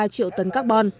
một mươi ba triệu tấn các vật